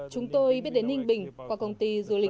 chúng tôi biết đến ninh bình qua công ty du lịch